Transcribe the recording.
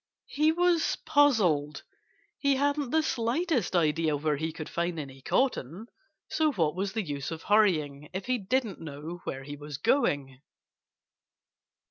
He was puzzled. He hadn't the slightest idea where he could find any cotton. So what was the use of hurrying, if he didn't know where he was going?